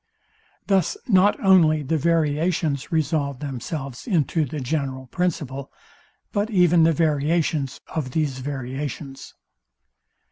Thus not only the variations resolve themselves into the general principle, but even the variations of these variations.